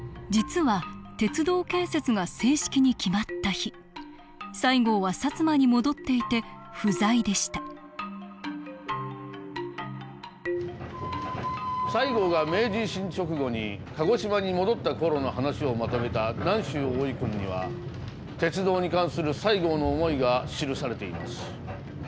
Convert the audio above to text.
実は鉄道建設が正式に決まった日西郷は薩摩に戻っていて不在でした西郷が明治維新直後に鹿児島に戻ったころの話をまとめた「南洲翁遺訓」には鉄道に関する西郷の思いが記されています。